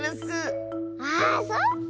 あそっか！